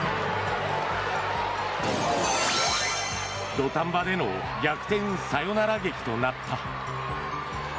土壇場での逆転サヨナラ劇となった。